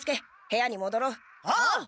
おう！